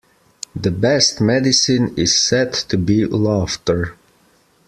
The best medicine is said to be laughter.